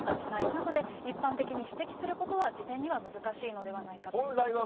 なので、一般的に指摘することは、事前には難しいのではないかということです。